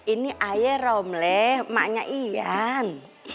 ini ayah romleh maknya ian